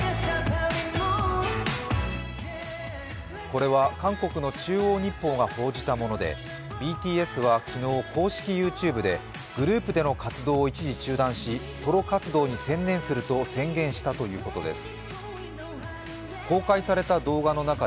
これは韓国の「中央日報」が報じたもので、ＢＴＳは昨日、公式ＹｏｕＴｕｂｅでグループでの活動を一時中断しソロ活動に専念すると宣言したということです。